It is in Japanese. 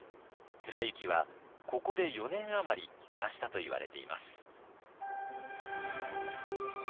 貫之はここで４年余り暮らしたといわれています。